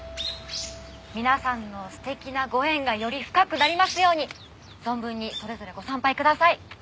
皆さんの素敵なご縁がより深くなりますように存分にそれぞれご参拝ください。